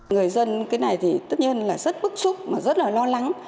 người dân cái này thì tất nhiên là rất bức xúc mà rất là lo lắng